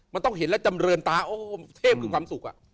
มันต้องเห็นแล้วจำเรินตาโอ้เทพคือความสุข